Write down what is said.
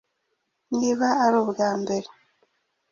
Niba ari ubwa mbere,